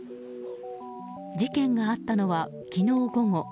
事件があったのは、昨日午後。